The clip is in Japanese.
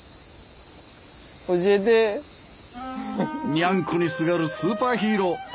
ニャンコにすがるスーパーヒーロー。